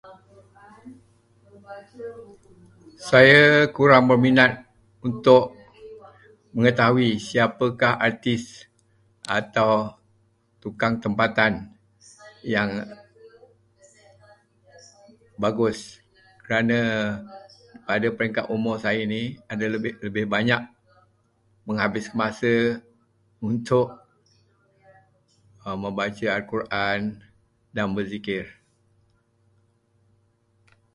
Saya kurang berminat untuk mengetahui siapakah artis atau tukang tempatan yang bagus kerana pada peringkat umur saya ini, lebih banyak menghabiskan masa untuk membaca al-Quran dan berzikir.